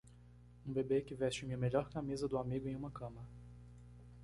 Um bebê que veste minha melhor camisa do amigo em uma cama.